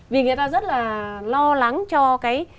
vì người ta rất là lo lắng cho cái